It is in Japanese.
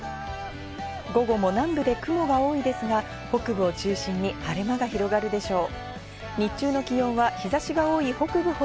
午後も南部で雲が多いですが、北部を中心に晴れ間が広がるでしょう。